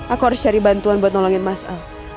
aku harus cari bantuan buat nolongin mas a